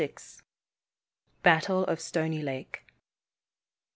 BATTLE OF STONY LAKE.